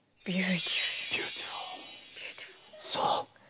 そう！